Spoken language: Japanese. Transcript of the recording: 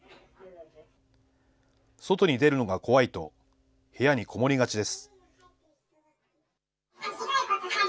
外に出るのが怖いと、部屋に籠もりがちです。